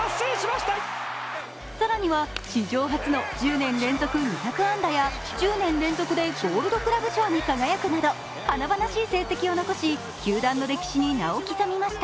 更には史上初の１０年連続２００安打や１０年連続でゴールドグラブ賞に輝くなど華々しい成績を残し球団の歴史に名を刻みました。